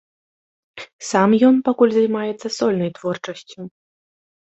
Сам ён пакуль займаецца сольнай творчасцю.